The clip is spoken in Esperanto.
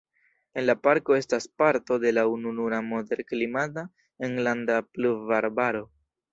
En la parko estas parto de la ununura moderklimata enlanda pluvarbaro.